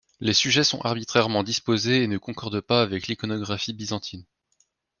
Les sujets sont arbitrairement disposés et ne concordent pas avec l'iconographie byzantine.